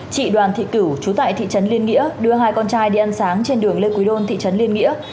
chị đoàn thị cửu chú tại thị trấn liên nghĩa đưa hai con trai đi ăn sáng trên đường lê quý đôn thị trấn liên nghĩa